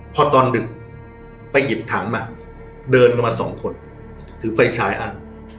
พอตอนดึกไปหยิบถังมาเดินกันมาสองคนถือไฟฉายอัน